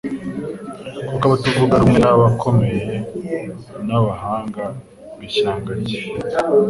kuko atavugaga rumwe n'abakomeye n'abahanga b'ishyanga rye.